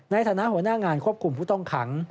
ในฐานะหัวหน้างานควบคุมผู้ต้องขัง